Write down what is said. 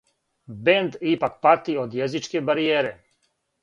Бенд ипак пати од језичке баријере.